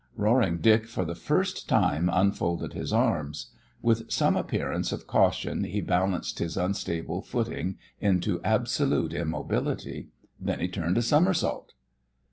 Roaring Dick for the first time unfolded his arms. With some appearance of caution he balanced his unstable footing into absolute immobility. Then he turned a somersault.